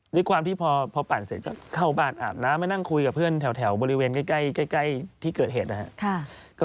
ด้วยความที่พอพอปั่นเสร็จก็เข้าบ้านอาบน้ำไนกล่านั่งคุยกับเพื่อนแถวบริเวณใกล้ใกล้ใกล้ที่เกิดเหตุได้ค่ะ